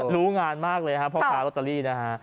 รู้งานมากเลยครับพ่อค้าลอตเตอรี่นะฮะ